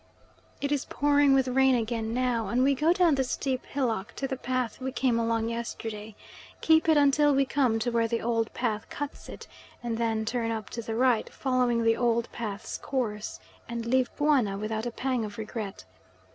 It is pouring with rain again now, and we go down the steep hillock to the path we came along yesterday, keep it until we come to where the old path cuts it, and then turn up to the right following the old path's course and leave Buana without a pang of regret.